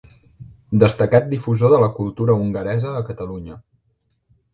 Destacat difusor de la cultura hongaresa a Catalunya.